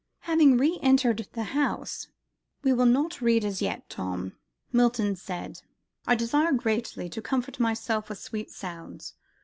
Having re entered the house, "We will not read as yet, Tom," Milton said, "I desire greatly to comfort myself with sweet sounds.